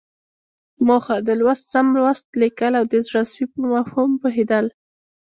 موخه: د لوست سم لوستل، ليکل او د زړه سوي په مفهوم پوهېدل.